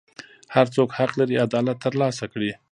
هر څوک حق لري عدالت ترلاسه کړي.